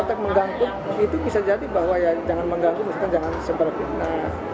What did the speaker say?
dalam konteks mengganggu itu bisa jadi bahwa jangan mengganggu misalkan jangan sembar fitnah